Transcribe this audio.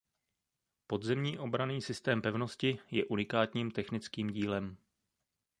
Podzemní obranný systém pevnosti je unikátním technickým dílem.